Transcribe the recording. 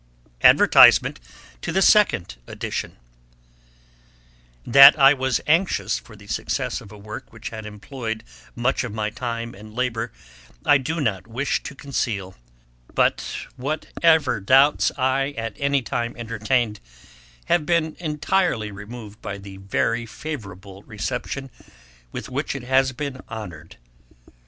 ADVERTISMENT TO THE SECOND EDITION. That I was anxious for the success of a Work which had employed much of my time and labour, I do not wish to conceal: but whatever doubts I at any time entertained, have been entirely removed by the very favourable reception with which it has been honoured.